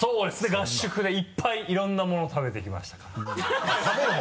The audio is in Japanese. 合宿でいっぱいいろんなもの食べてきましたから。